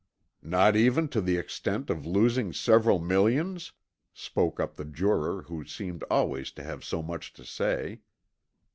"Not even to the extent of losing several millions?" spoke up the juror who seemed always to have so much to say.